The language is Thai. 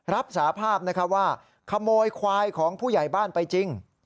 รับสาภาพว่าขโมยควายของผู้ใหญ่บ้านไปจริง